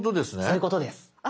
そういうことです。